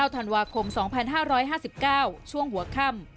ธันวาคม๒๕๕๙ช่วงหัวค่ำ